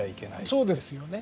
そうですよね。